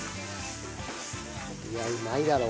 いやうまいだろ！